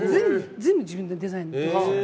全部自分でデザインするんです。